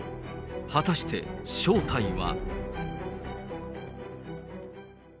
果たして正体は。